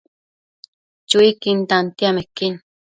Chuiquin tantiamequin